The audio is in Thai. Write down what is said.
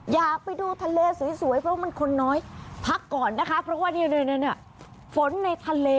อยากไปดูทะเลสวยเพราะมันคนน้อยพักก่อนนะคะเพราะว่านี่ฝนในทะเล